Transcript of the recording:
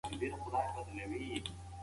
ماشومان په چمن کې ډېر خوشحاله وو.